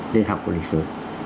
để học một lịch sử